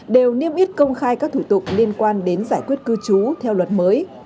đều niêm yết công khai các thủ tục liên quan đến giải quyết cư trú theo luật mới